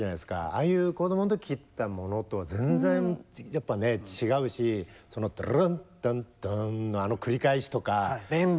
ああいう子供の時聴いてたものとは全然やっぱねぇ違うしそのドゥルルンダンダンのあの繰り返しとか。